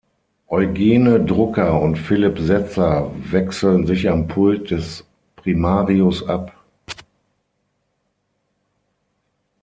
Eugene Drucker und Philip Setzer wechseln sich am Pult des Primarius ab.